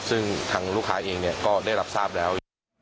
ซึ่งทางลูกค้าเองก็ได้รับทราบแล้ว